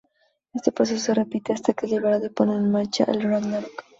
Este proceso se repite hasta que es liberado y pone en marcha el Ragnarök.